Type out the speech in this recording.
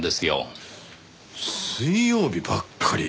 水曜日ばっかり。